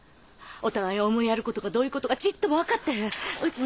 お互いを思いやることがどういうことかちっともわかってへん！